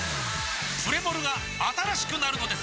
プレモルが新しくなるのです！